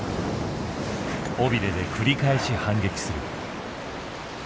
尾びれで繰り返し反撃する。